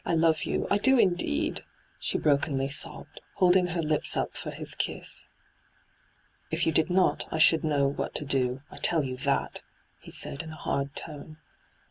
' I love you — I do indeed I' she brokenly sobbed, holding her lips up for his kiss. ' If you did not, I should know what to do. I tell you that 1' he said, in a hard tone.